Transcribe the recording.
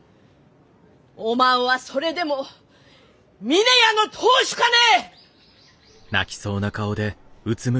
おまんはそれでも峰屋の当主かね！？